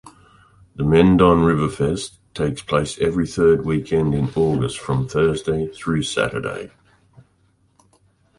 The Mendon Riverfest takes place every third weekend in August from Thursday through Saturday.